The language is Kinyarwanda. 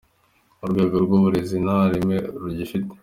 Urwego rw'uburezi nta reme rugifite.